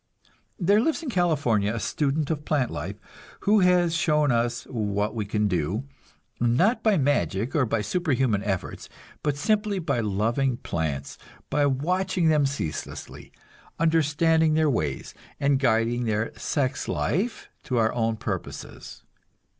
There lives in California a student of plant life, who has shown us what we can do, not by magic or by superhuman efforts, but simply by loving plants, by watching them ceaselessly, understanding their ways, and guiding their sex life to our own purposes.